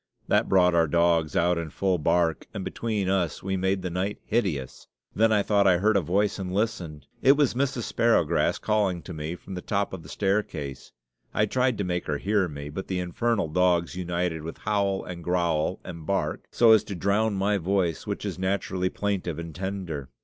That brought our dogs out in full bark, and between us we made night hideous. Then I thought I heard a voice and listened it was Mrs. Sparrowgrass calling to me from the top of the staircase. I tried to make her hear me, but the infernal dogs united with howl, and growl, and bark, so as to drown my voice, which is naturally plaintive and tender.